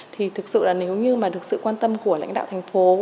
thì thực sự là nếu như mà được sự quan tâm của lãnh đạo thành phố